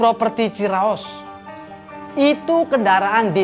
read yu di kanan youtube